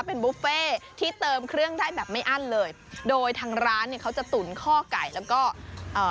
เป็นบุฟเฟ่ที่เติมเครื่องได้แบบไม่อั้นเลยโดยทางร้านเนี่ยเขาจะตุ๋นข้อไก่แล้วก็เอ่อ